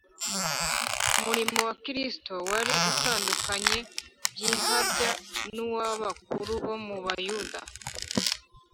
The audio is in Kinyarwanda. Umurimo wa Kristo wari utandukanye by’ihabya n’uw’abakuru bo mu Bayuda